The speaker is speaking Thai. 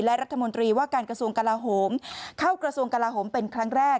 และรัฐมนตรีว่าการกระทรวงกลาโหมเข้ากระทรวงกลาโหมเป็นครั้งแรก